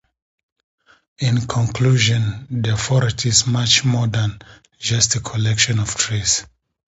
In conclusion, the forest is much more than just a collection of trees.